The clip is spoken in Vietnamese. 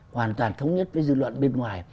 hoàn toàn thống nhất với dư luận bên ngoài